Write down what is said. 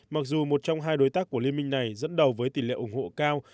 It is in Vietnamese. mặc dù một trong hai đối tác của liên minh này dẫn đầu với tỷ lệ ủng hộ cao